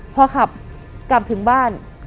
พอขับกลับถึงบ้าน